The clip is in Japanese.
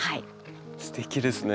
すてきですね。